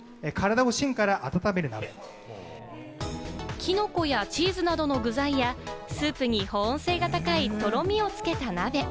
キノコやチーズなどの具材や、スープに保温性が高いとろみをつけた鍋。